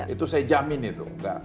itu saya jamin itu